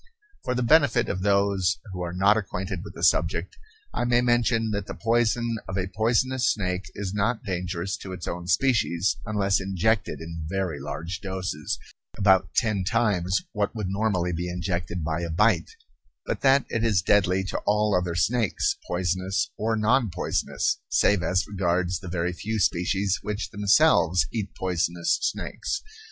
For the benefit of those who are not acquainted with the subject, I may mention that the poison of a poisonous snake is not dangerous to its own species unless injected in very large doses, about ten times what would normally be injected by a bite; but that it is deadly to all other snakes, poisonous or non poisonous, save as regards the very few species which themselves eat poisonous snakes.